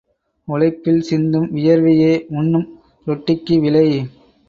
உழைப்பில் சிந்தும் வியர்வையே உண்ணும் ரொட்டிக்கு விலை.